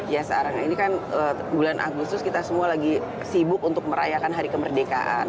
ya sekarang ini kan bulan agustus kita semua lagi sibuk untuk merayakan hari kemerdekaan